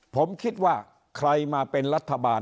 ผมคิดว่าใครมาเป็นรัฐบาล